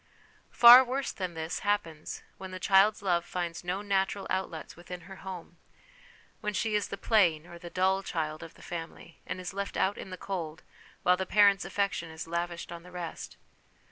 Far worse than this happens when the child's love finds no natural outlets within her home : when she is the plain or the dull child of the family, and is left out in the cold, while the parents' affection is lavished on the rest.